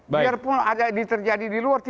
biar pun ada yang diterjadi di luar